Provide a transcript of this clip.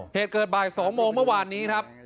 เหตุเกิดบ่าย๒โมงเมื่อวานนี้ครับ